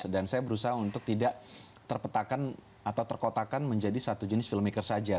dan saya berusaha untuk tidak terpetakan atau terkotakan menjadi satu jenis filmmaker saja